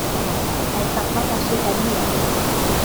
Elle s'implante ensuite à New York.